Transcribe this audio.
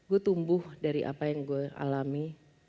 gue tumbuh dari apa yang gue alami